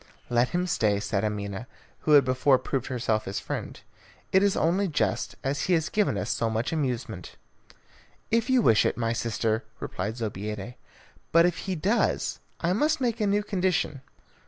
"Let him stay," said Amina, who had before proved herself his friend. "It is only just, as he has given us so much amusement." "If you wish it, my sister," replied Zobeida; "but if he does, I must make a new condition.